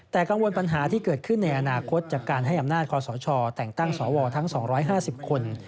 แต่กังวลปัญหาที่เกิดขึ้นในอนาคตจากการให้อำนาจคอสชแต่งตั้งสวทั้ง๒๕๐คน